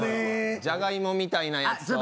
じゃがいもみたいなやつと。